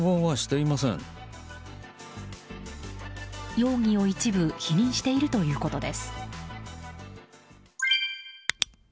容疑を一部否認しているということです。